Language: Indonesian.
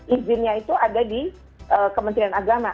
izinnya itu ada di kementerian agama